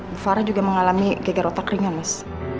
bu farah juga mengalami geger otak ringan mas